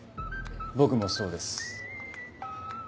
僕もそうです。